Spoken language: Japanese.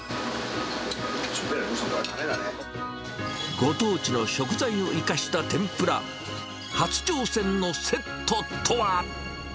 ご当地の食材を生かした天ぷら、初挑戦のセットとは。